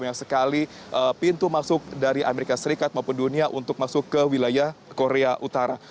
banyak sekali celah celah atau banyak sekali pintu masuk dari amerika serikat maupun dunia untuk masuk ke wilayah korea utara